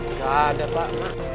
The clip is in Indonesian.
gak ada pak